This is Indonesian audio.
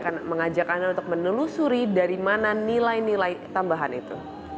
akan mengajak anda untuk menelusuri dari mana nilai nilai tambahan itu